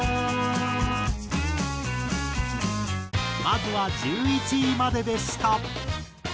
まずは１１位まででした。